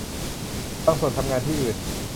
บางส่วนทำงานที่อื่น